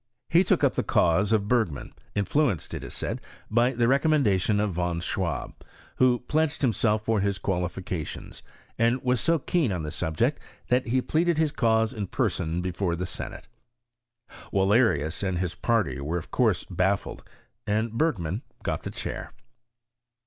He took up the cause of Bergman, influenced, it is said, by the recommendation of Von Swab, who pledged himself for his qualifications, and was so keen on the subject that he pleaded his cause in pereon before the senate* Wallerius and his party were of course baffled, and Bergman got the chair.